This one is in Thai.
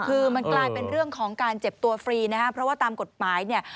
คือมันกลายเป็นเรื่องของการเจ็บตัวฟรีนะครับเพราะว่าตามกฎหมายเนี่ย